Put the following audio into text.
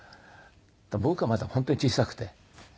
僕はまだ本当に小さくて。